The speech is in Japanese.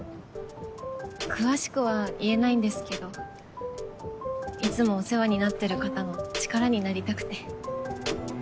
詳しくは言えないんですけどいつもお世話になってる方の力になりたくて。